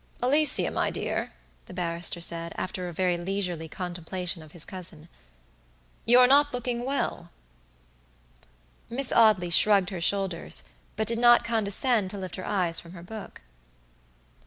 "Alicia, my dear," the barrister said, after a very leisurely contemplation of his cousin, "you're not looking well." Miss Audley shrugged her shoulders, but did not condescend to lift her eyes from her book.